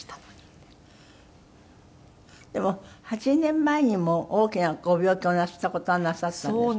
でも８年前にも大きなご病気をなすった事はなさったんですって？